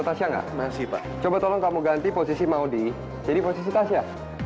tasya enggak masih pak coba tolong kamu ganti posisi mau di sini posisi tasya